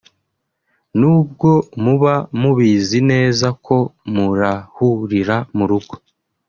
n’ubwo muba mubizi neza ko murahurira mu rugo